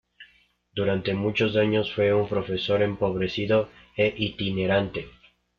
Durante muchos años, fue un profesor empobrecido e itinerante.